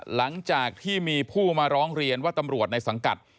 หลังจากที่มีผู้มาร้องเรียนว่าตำรวจในสังกัด